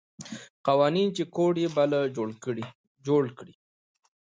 قوانین چې کوډ یې باله جوړ کړي.